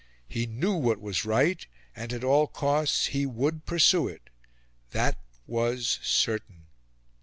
He knew what was right, and, at all costs, he would pursue it. That was certain.